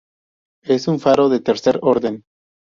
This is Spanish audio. Es un faro de Tercer orden.